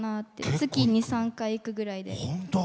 月２３回いくぐらいで。